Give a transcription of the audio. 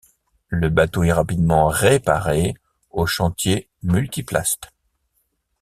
Le bateau est rapidement réparé au chantier Multiplast.